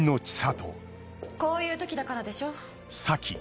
こういう時だからでしょ。